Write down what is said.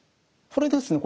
これですね